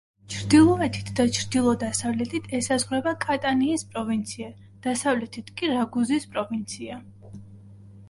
ჩრდილოეთით და ჩრდილო-დასავლეთით ესაზღვრება კატანიის პროვინცია, დასავლეთით კი რაგუზის პროვინცია.